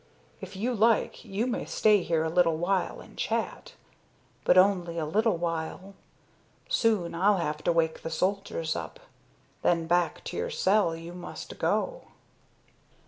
If you like you may stay here a little while and chat. But only a little while. Soon I'll have to wake the soldiers up; then, back to your cell you must go."